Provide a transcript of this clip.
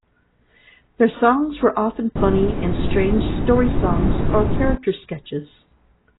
Their songs were often funny and strange story-songs or character sketches.